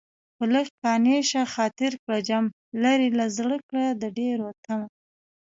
په لږ قانع شه خاطر کړه جمع لرې له زړه کړه د ډېرو طمع